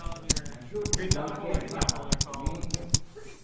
یوہ جہڑی گل کہہ واہ کر میں اس